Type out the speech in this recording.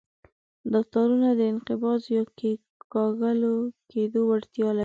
دا تارونه د انقباض یا کیکاږل کېدو وړتیا لري.